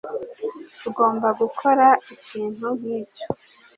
Tugomba gukora ikintu nkicyo